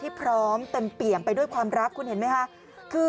พร้อมเต็มเปี่ยมไปด้วยความรักคุณเห็นไหมคะ